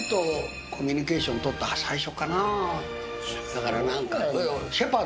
だから何か。